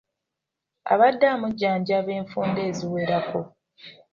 Abadde amujjanjaba enfunda eziwerako.